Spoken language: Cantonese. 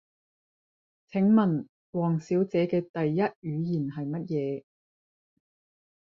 請問王小姐嘅第一語言係乜嘢？